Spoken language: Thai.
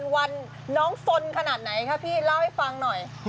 วันน้องสนขนาดไหนคะพี่เล่าให้ฟังหน่อย